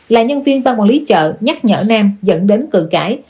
là nhân viên ba ngọn lý chợ nhắc nhở nam dẫn đến cử cãi